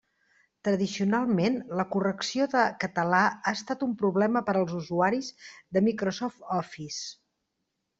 Tradicionalment la correcció de català ha estat un problema per als usuaris de Microsoft Office.